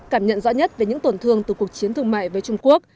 cảm nhận rõ nhất về những tổn thương từ cuộc chiến thương mại với trung quốc